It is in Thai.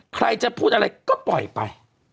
ใครจะพูดอะไรก็ปล่อยไป